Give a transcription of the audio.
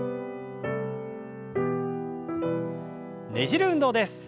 ねじる運動です。